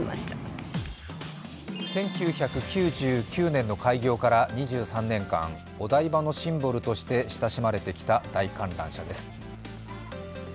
１９９９年の開業から２３年間、お台場のシンボルとして親しまれてきた大観覧車です。